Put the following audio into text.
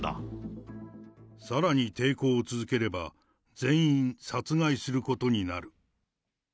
さらに抵抗を続ければ、全員殺害することになる。